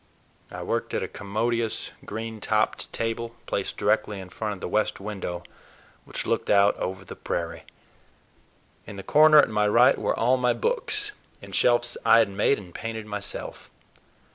I worked at a commodious green topped table placed directly in front of the west window which looked out over the prairie. In the corner at my right were all my books, in shelves I had made and painted myself.